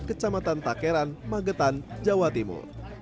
kecamatan takeran magetan jawa timur